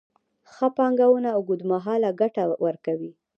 ښه پانګونه اوږدمهاله ګټه ورکوي.